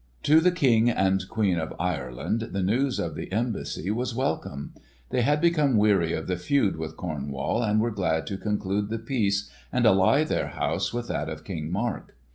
To the King and Queen of Ireland the news of the embassy was welcome. They had become weary of the feud with Cornwall and were glad to conclude the peace and ally their house with that of King Mark.